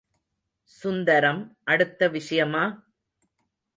சுந்தரம் அடுத்த விஷயமா?